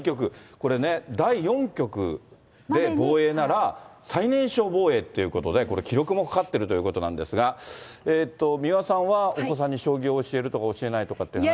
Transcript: これね、第４局で防衛なら、最年少防衛ということで、これ、記録もかかってるということなんですが、三輪さんはお子さんに将棋を教えるとか、教えないとかって話が。